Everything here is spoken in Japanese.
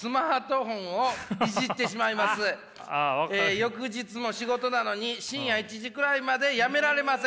「翌日も仕事なのに深夜１時くらいまでやめられません。